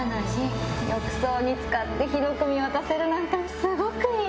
浴槽につかって広く見渡せるなんてすごくいい！